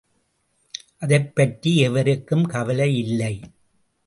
அதைப்பற்றி எவருக்கும் கவலையில்லை.